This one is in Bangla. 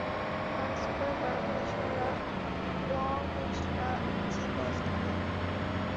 মার্ক জুকারবার্গ মিশরা ওয় মিশরা জি বস ডাকে।